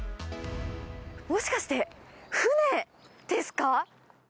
もしかして船ですか？